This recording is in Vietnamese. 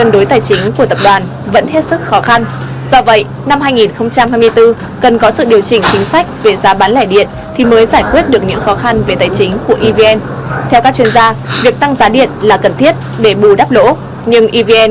để bù đắp lỗ nhưng evn cần công khai minh bạch trong giá mua bán điện kết quả kinh doanh để không ảnh hưởng tới tâm lý người dân